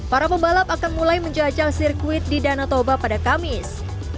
para pembalap akan mulai menjajah sirkuit di danau toba pada kamis